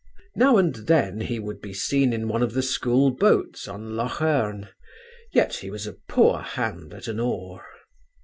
Now and then he would be seen in one of the school boats on Loch Erne: yet he was a poor hand at an oar.